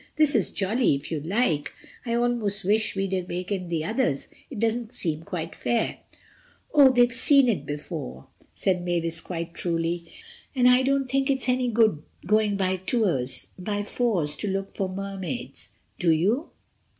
"This is jolly if you like. I almost wish we'd wakened the others. It doesn't seem quite fair." "Oh, they've seen it before," Mavis said, quite truly, "and I don't think it's any good going by fours to look for Mermaids, do you?"